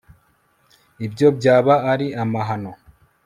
ibyo byaba ari amahano